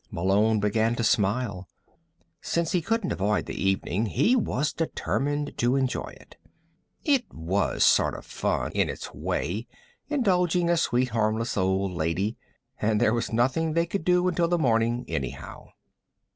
Malone began to smile. Since he couldn't avoid the evening, he was determined to enjoy it. It was sort of fun, in its way, indulging a sweet harmless old lady. And there was nothing they could do until the next morning, anyhow.